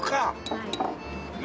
はい。